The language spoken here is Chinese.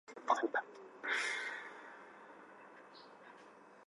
过去是藏传佛教噶当派重要寺院之一。